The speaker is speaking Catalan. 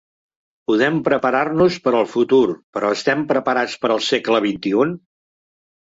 Podem preparar-nos per al futur, però estem preparats per al segle XXI?